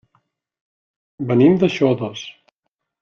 Venim de Xodos.